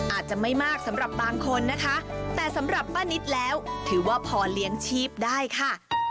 อาจจะไม่มากสำหรับบางคนนะคะแต่สำหรับป้านิตแล้วถือว่าพอเลี้ยงชีพได้ค่ะ